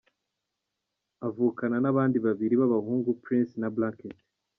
Avukana n’abandi babiri b’abahungu Prince na Blanket.